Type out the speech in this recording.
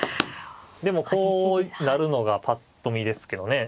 でもこうなるのがぱっと見ですけどね。